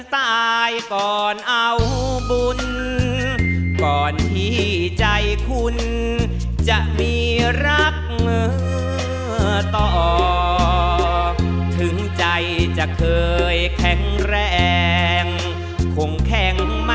ตกลงว่าใช้ตัวช่วยนะครับ